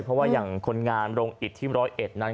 เพราะว่าอย่างคนงานลงอิตที่๑๐๑